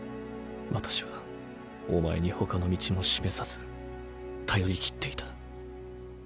私はお前に他の道も示さず頼りきっていた。